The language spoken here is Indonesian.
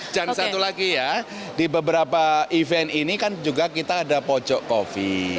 dan satu lagi ya di beberapa event ini kan juga kita ada pocok kopi